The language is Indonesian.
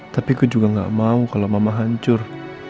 tapi aku juga gak mau kalau mama hancur